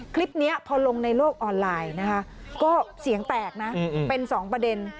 คลิปนี้พอลงในโลกออนไลน์นะคะก็เสียงแตกนะเป็นสองประเด็น